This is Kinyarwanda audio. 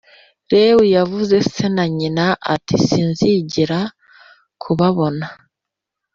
Lewi yavuze se na nyina ati Sinigeze kubabona